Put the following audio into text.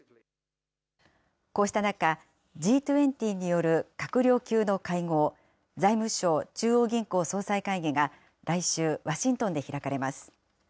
こうした中、Ｇ２０による閣僚級の会合、財務相・中央銀行総裁会議が来週、ワシントンで開かれます。